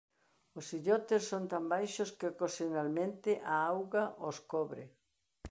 Os illotes son tan baixos que ocasionalmente a auga os cobre.